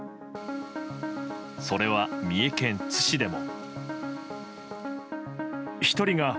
それは、三重県津市でも。